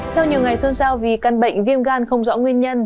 sau nhiều ngày xôn xao vì căn bệnh viêm gan không rõ nguyên nhân